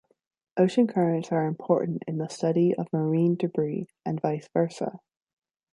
Ocean currents are important in the study of marine debris, and vice versa.